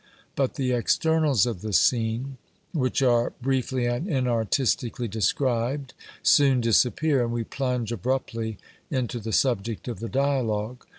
But the externals of the scene, which are briefly and inartistically described, soon disappear, and we plunge abruptly into the subject of the dialogue.